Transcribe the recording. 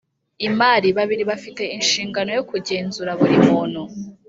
Imari babiri bafite inshingano yo kugenzura buri muntu